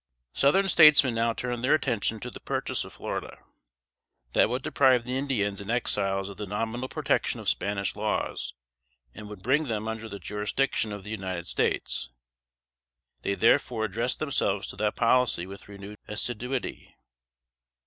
Southern statesmen now turned their attention to the purchase of Florida. That would deprive the Indians and Exiles of the nominal protection of Spanish laws, and would bring them under the jurisdiction of the United States; they therefore addressed themselves to that policy with renewed assiduity.